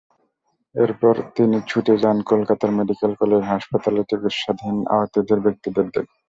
এরপর তিনি ছুটে যান কলকাতার মেডিকেল কলেজ হাসপাতালে চিকিৎসাধীন আহত ব্যক্তিদের দেখতে।